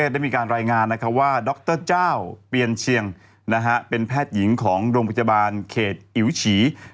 ดรเจ้าเปียนเชียงเป็นแพทย์หญิงของโรงพยาบาลเขตอิ๋วฉี